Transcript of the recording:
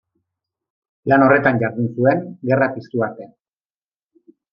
Lan horretan jardun zuen, gerra piztu arte.